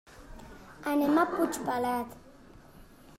Anem a Puigpelat.